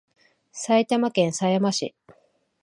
埼玉県狭山市